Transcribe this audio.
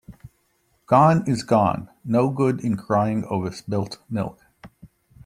Gone is gone. No good in crying over spilt milk.